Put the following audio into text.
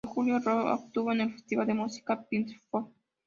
En julio, Rocky actuó en el Festival de Música Pitchfork.